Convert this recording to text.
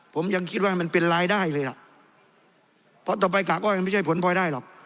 ผมยังคิดว่ามันเป็นรายได้เลยล่ะเพราะต่อไปกากอ้อยมันไม่ใช่ผลพลอยได้หรอก